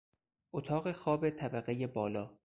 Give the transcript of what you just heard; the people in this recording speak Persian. اتاق خواب طبقهی بالا